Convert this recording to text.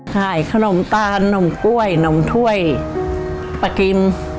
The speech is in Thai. ขายขนมตาลนมกล้วยนมถ้วยปลากิม